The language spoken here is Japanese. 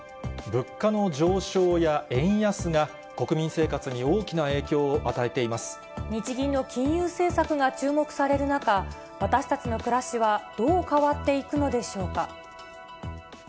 物価の上昇や円安が、国民生日銀の金融政策が注目される中、私たちの暮らしはどう変わっていくのでしょうか。